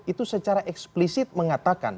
itu secara eksplisit mengatakan